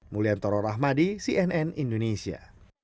muliantoro rahmadi cnn indonesia